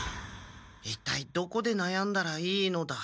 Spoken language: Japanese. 一体どこでなやんだらいいのだ。